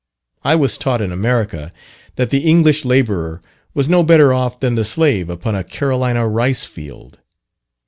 I was taught in America that the English labourer was no better off than the slave upon a Carolina rice field.